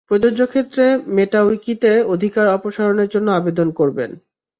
প্রযোজ্য ক্ষেত্রে মেটা উইকিতে অধিকার অপসারণের জন্য আবেদন করবেন।